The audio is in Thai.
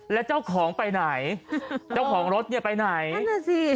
แล้วเจ้าของไปไหนเจ้าของรถดีจะไปไหน